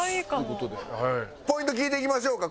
ポイント聞いていきましょうか。